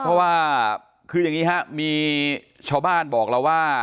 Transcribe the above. เพราะว่าคืออย่างนี้ครับมีชาวบ้านบอกเราว่า